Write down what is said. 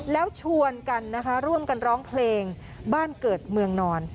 แล้วชวนกันนะคะร่วมกันร้องเพลงบ้านเกิดเมืองนอน